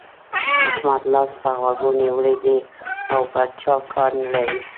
احمد لاس پر غوږو نيولی دی او پر چا کار نه لري.